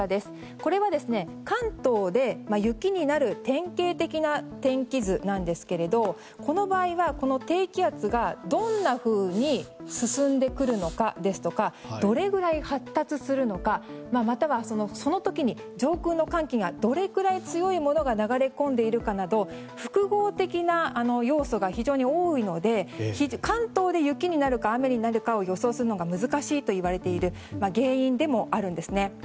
これは関東で雪になる典型的な天気図なんですがこの場合は、この低気圧がどんなふうに進んでくるのかやどれくらい発達するのかまたはその時に上空の寒気がどれぐらい強いものが流れ込んでいるかなど複合的な要素が非常に多いので関東で雪になるか雨になるかを予想するのが難しいといわれている原因でもあるんですね。